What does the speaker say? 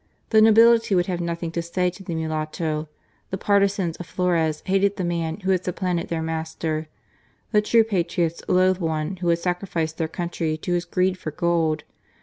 The nobility would have nothing to say to the mulatto. The partisans of Flores hated the man who had supplanted their master : the true patriots loathed one who had sacrificed their country to his greed for gold.